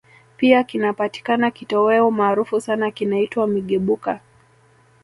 Pia kinapatikana kitoweo maarufu sana kinaitwa Migebuka